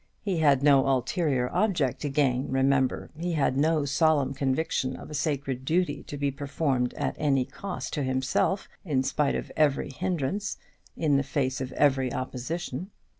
He had no ulterior object to gain, remember. He had no solemn conviction of a sacred duty to be performed at any cost to himself, in spite of every hindrance, in the face of every opposition.